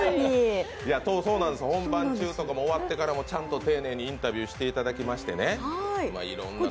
本番中とかもちゃんと丁寧にインタビューしていただきましてね。